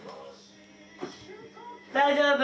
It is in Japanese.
大丈夫？